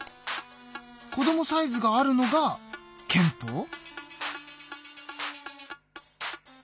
こどもサイズがあるのが憲法？